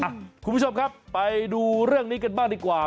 คุณผู้ชมครับไปดูเรื่องนี้กันบ้างดีกว่า